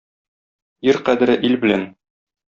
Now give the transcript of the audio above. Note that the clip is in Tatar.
Ир кадере ил белән.